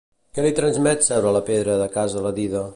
Què li transmet seure a la pedra de casa la dida?